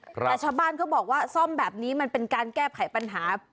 แต่ชาวบ้านเขาบอกว่าซ่อมแบบนี้มันเป็นการแก้ไขปัญหา